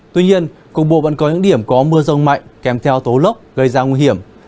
tuy nhiên cục bộ vẫn có những điểm có mưa rông mạnh kèm theo tố lốc gây ra nguy hiểm